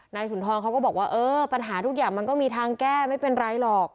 สุนทรเขาก็บอกว่าเออปัญหาทุกอย่างมันก็มีทางแก้ไม่เป็นไรหรอก